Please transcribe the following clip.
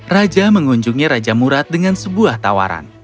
raja mengunjungi raja murad dengan sebuah tawaran